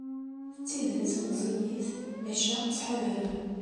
D tidet meẓẓiyit, maca ttḥadaren.